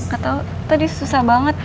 gak tau tadi susah banget